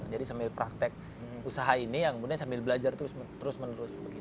jadi sambil praktek usaha ini kemudian sambil belajar terus menerus